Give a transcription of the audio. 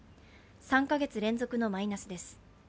３か月連続のマイナスです。